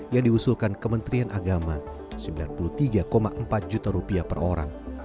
yang diusulkan kementerian agama sembilan puluh tiga empat juta rupiah per orang